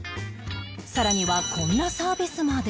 さらにはこんなサービスまで